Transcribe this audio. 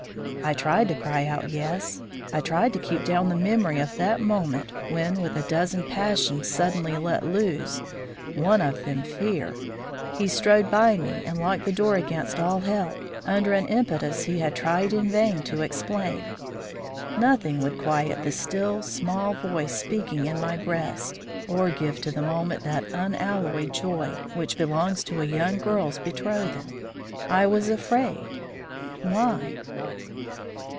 I tried to cry out yes! I tried to keep down the memory of that moment when, with a dozen passions suddenly let loose (one of them fear), he strode by me and locked the door against all help, under an impetus he had tried in vain to explain. Nothing would quiet the still, small voice speaking in my breast, or give to the moment that unalloyed joy which belongs to a young girl's betrothal. I was afraid. Why?